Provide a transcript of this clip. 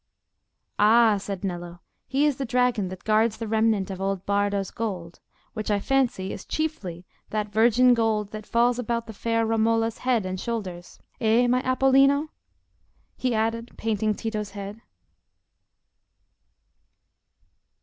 "Ah," said Nello, "he is the dragon that guards the remnant of old Bardo's gold, which, I fancy, is chiefly that virgin gold that falls about the fair Romola's head and shoulders; eh, my Apollino?" he added, patting Tito's head.